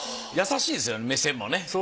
優しいですよね目線もね。